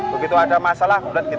begitu ada masalah kita saksikan